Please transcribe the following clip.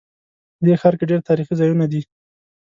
په دې ښار کې ډېر تاریخي ځایونه دي